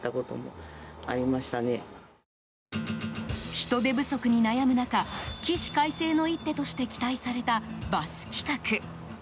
人手不足に悩む中起死回生の一手として期待されたバス企画。